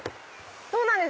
そうなんです